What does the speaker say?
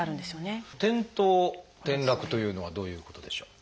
「転倒・転落」というのはどういうことでしょう？